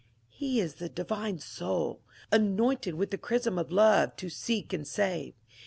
He is the divine Soul, anointed with the chrism of love to seek and save.